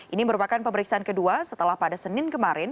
ini merupakan pemeriksaan kedua setelah pada senin kemarin